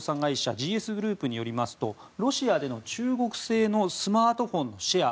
ＧＳグループによりますとロシアでの中国製のスマートフォンのシェア